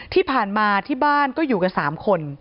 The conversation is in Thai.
ที่ผ่านมาที่บ้านก็อยู่กัน๓คน